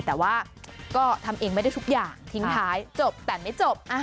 แต่ว่าก็ทำเองไม่ได้ทุกอย่างทิ้งท้ายจบแต่ไม่จบ